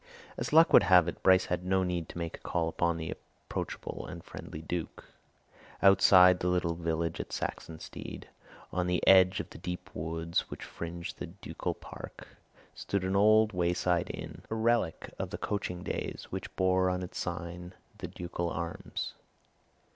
As luck would have it, Bryce had no need to make a call upon the approachable and friendly Duke. Outside the little village at Saxonsteade, on the edge of the deep woods which fringed the ducal park, stood an old wayside inn, a relic of the coaching days, which bore on its sign the ducal arms.